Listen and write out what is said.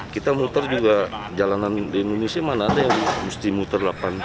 kita muter juga jalanan di indonesia mana ada yang mesti muter delapan puluh